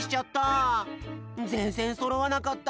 ぜんぜんそろわなかった。